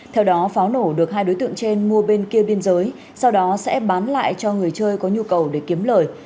theo đó pháo nổ được hai đối tượng trên mua bên kia biên giới sau đó sẽ bán lại cho người chơi có nhu cầu để kiếm lời